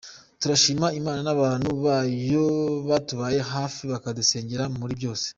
Turashima Imana n’abantu bayo batubaye hafi bakadusengera muri byose.